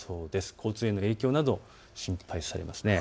交通への影響など、心配されますね。